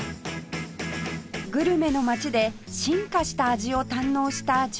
グルメの街で進化した味を堪能した純ちゃん